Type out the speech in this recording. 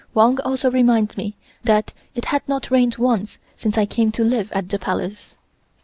Wang also reminded me that it had not rained once since I came to live at the Palace.